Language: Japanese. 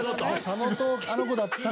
佐野とあの子だったら。